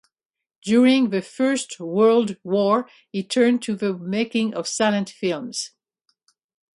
During the First World War he turned to the making of silent films.